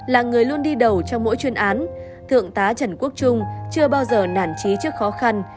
là người luôn đi đầu trong mỗi chuyên án thượng tá trần quốc trung chưa bao giờ nản trí trước khó khăn